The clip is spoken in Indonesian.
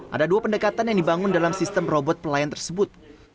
ada dua pendekatan yang dibangun dalam sistem robot pelayan tersebut